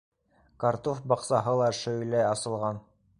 Картуф баҡсаһы ла шөйлә асылған.